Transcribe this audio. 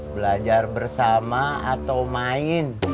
belajar bersama atau main